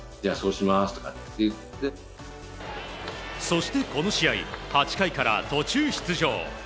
そして、この試合８回から途中出場。